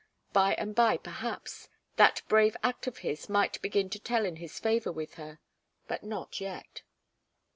By and by, perhaps, that brave act of his might begin to tell in his favour with her, but not yet.